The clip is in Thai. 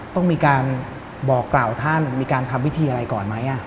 ต้องมีการบอกกล่าวท่านมีการทำพิธีอะไรก่อนไหม